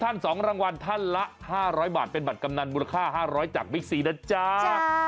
๒รางวัลท่านละ๕๐๐บาทเป็นบัตรกำนันมูลค่า๕๐๐จากบิ๊กซีนะจ๊ะ